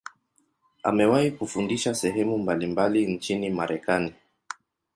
Amewahi kufundisha sehemu mbalimbali nchini Marekani.